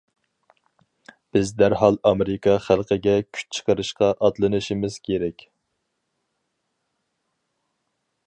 بىز دەرھال ئامېرىكا خەلقىگە كۈچ چىقىرىشقا ئاتلىنىشىمىز كېرەك.